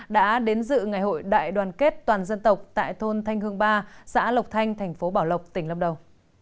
đã đến dự ngày hội đại đoàn kết toàn dân tộc tại thôn thanh hương ba xã lộc thanh tp bảo lộc tỉnh lâm đầu